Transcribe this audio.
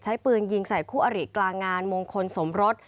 ใช้ปืนยิงใส่คู่อริกลางงานมงคลสมรส